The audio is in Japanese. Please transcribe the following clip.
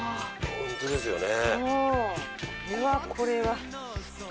ホントですよね。